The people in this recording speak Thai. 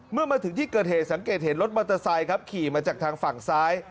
เมื่อมาถึงที่เกิดเหตุสังเกตเห็นรถมอเตอร์ไซค์ครับขี่มาจากทางฝั่งซ้าย